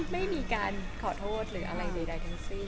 ไม่มีการขอโทษหรืออะไรใดทั้งสิ้น